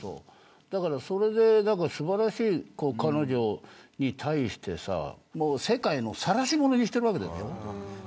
それですばらしい彼女に対してさ世界のさらしものにしてるわけでしょ。